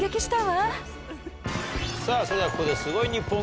さぁそれではここで。